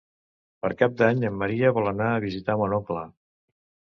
Per Cap d'Any en Maria vol anar a visitar mon oncle.